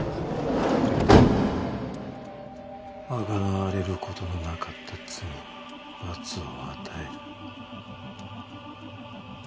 「贖われることのなかった罪に“罰”を与える」。